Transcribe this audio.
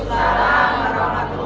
waalaikumsalam warahmatullahi wabarakatuh